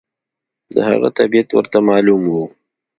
د هغه طبیعت ورته معلوم و.